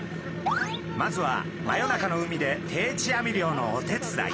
まずは真夜中の海で定置網漁のお手伝い。